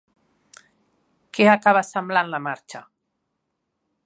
Què acaba semblant la marxa?